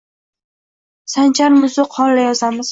Sancharmizu qon-la yozamiz